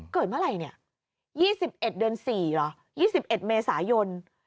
เกิดเมื่อไหร่เนี่ย๒๑เดือน๔เหรอ๒๑เมษายน